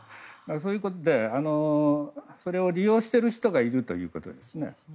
そういうことなのでそれを利用している人がいるということですね。